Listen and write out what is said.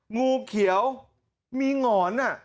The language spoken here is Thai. งูเขียวมีหงอน